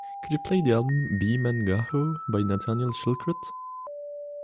Could you play the album B Men Gahō by Nathaniel Shilkret